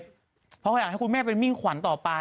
เพราะเขาอยากให้คุณแม่เป็นมิ่งขวัญต่อไป